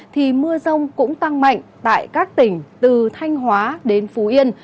thì mưa rông cũng tăng mạnh tại các tỉnh từ thanh hóa đến phú yên